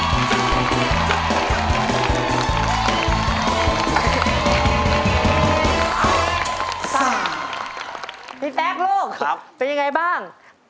พี่แป๊กโลกเป็นอย่างไรบ้างครับ